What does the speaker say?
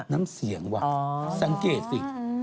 น้ำเสียงว่ะสังเกตสิ